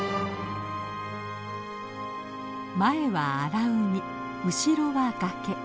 前は荒海後ろは崖。